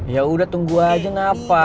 ya udah tunggu aja napa